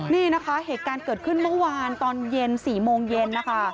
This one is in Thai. นี่นะคะเหตุการณ์เกิดขึ้นเมื่อวานตอนเย็น๔โมงเย็นนะคะ